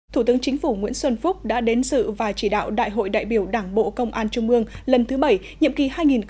thủ tướng chính phủ nguyễn xuân phúc đã đến sự và chỉ đạo đại hội đại biểu đảng bộ công an trung mương lần thứ bảy nhiệm kỳ hai nghìn hai mươi hai nghìn hai mươi năm